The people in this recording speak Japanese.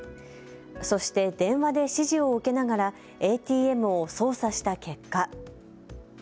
そして電話で指示を受けながらＡＴＭを操作した結果。